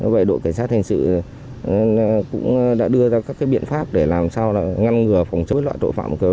vậy đội cảnh sát hình sự cũng đã đưa ra các biện pháp để làm sao là ngăn ngừa phòng chống các loại tội phạm